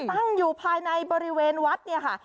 ตั้งอยู่ภายในบริเวณวัดเนี่ยค่ะ